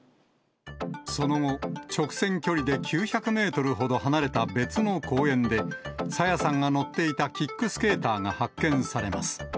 その後、直線距離で９００メートルほど離れた別の公園で、朝芽さんが乗っていたキックスケーターが発見されます。